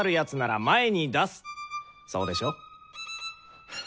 そうでしょ？